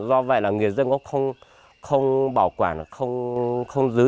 do vậy là người dân cũng không bảo quản không giữ